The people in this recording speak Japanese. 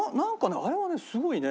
あれはねすごいね。